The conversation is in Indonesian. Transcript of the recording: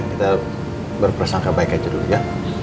kita berprasangka baik aja dulu ya